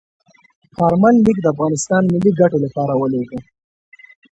کارمل لیک د افغانستان ملي ګټې لپاره ولیږه.